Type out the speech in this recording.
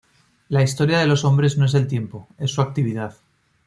La historia de los hombres no es el tiempo, es su actividad.